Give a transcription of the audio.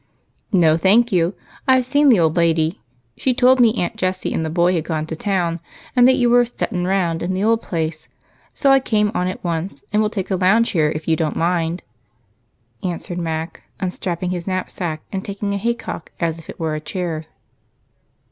"No, thank you. I've seen the old lady. She told me Aunt Jessie and the boy had gone to town and that you were 'settin' round' in the old place. I came on at once and will take a lounge here if you don't mind," answered Mac, unstrapping his knapsack and taking a haycock as if it were a chair.